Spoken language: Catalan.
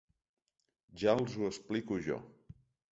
Ja els ho explico jo.